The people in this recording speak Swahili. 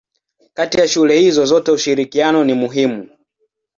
Kati ya shule hizo zote ushirikiano ni muhimu.